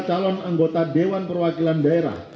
calon anggota dewan perwakilan daerah